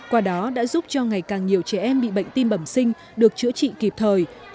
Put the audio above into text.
qua đó đã giúp cho ngày càng nhiều trẻ em bị bệnh tim bẩm sinh được chữa trị kịp thời